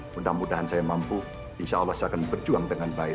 mudah mudahan saya mampu insya allah saya akan berjuang dengan baik